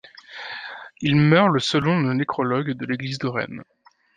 Il meurt le selon le nécrologue de l'église de Rennes.